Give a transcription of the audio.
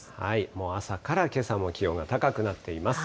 もう朝からけさも気温が高くなっています。